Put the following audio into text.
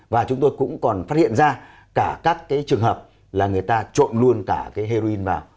và chúng tôi cũng còn phát hiện ra cả các cái trường hợp là người ta trộn luôn cả cái heroin vào